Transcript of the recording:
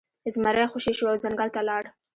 زمری خوشې شو او ځنګل ته لاړ.